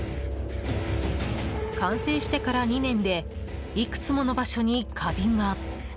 完成してから２年でいくつもの場所にカビが。